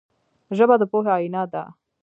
ژبه د پوهې آینه ده